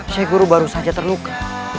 saya guru baru saja terluka